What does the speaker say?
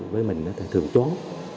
với mình nó thường trốn